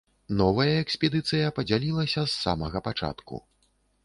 Новая экспедыцыя падзялілася з самага пачатку.